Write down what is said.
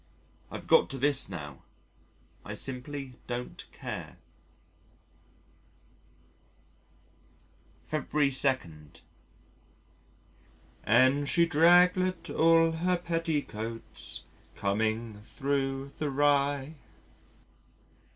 I've got to this now, I simply don't care. February 2. "And she draiglet all her petticoatie, Coming thro' the rye."